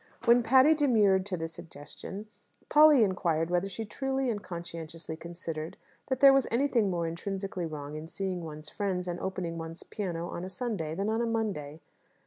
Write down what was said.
When Patty demurred to the suggestion, Polly inquired whether she truly and conscientiously considered that there was anything more intrinsically wrong in seeing one's friends and opening one's piano on a Sunday than on a Monday.